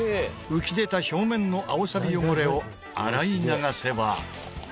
浮き出た表面の青サビ汚れを洗い流せば。